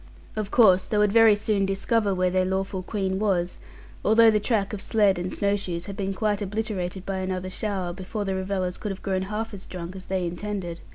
Of course they would very soon discover where their lawful queen was, although the track of sledd and snow shoes had been quite obliterated by another shower, before the revellers could have grown half as drunk as they intended.